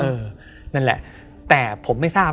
เพื่อที่จะให้แก้วเนี่ยหลอกลวงเค